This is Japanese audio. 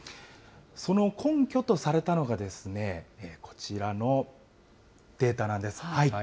その根拠とされたのが、こちらのデータなんです。